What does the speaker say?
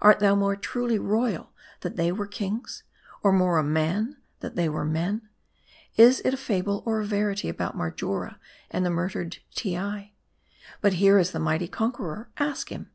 Art thou more truly royal, that they were kings ? Or more a man, that they were men ? Is it a fable, or a verity about Marjora and the murdered Teei ? But here is the mighty conqueror, ask him.